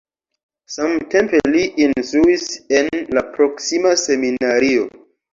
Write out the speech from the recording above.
Samtempe li instruis en la proksima seminario.